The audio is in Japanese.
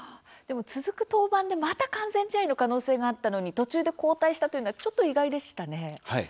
でも続く登板でまた完全試合の可能性があったのに途中で交代したのというのはちょっと意外でしたね。